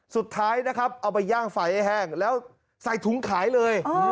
สุดท้ายนะครับเอาไปย่างไฟให้แห้งแล้วใส่ถุงขายเลย